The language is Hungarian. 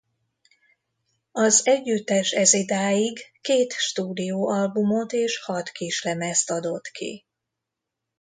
Az együttes ezidáig két stúdió albumot és hat kislemezt adott ki.